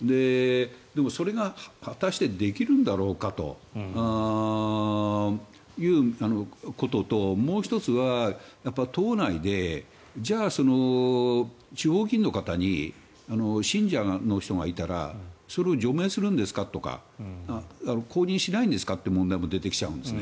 でもそれが果たしてできるんだろうかということともう１つは、党内でじゃあ地方議員の方に信者の人がいたらそれを除名するんですかとか公認しないんですかという問題も出てきちゃうんです。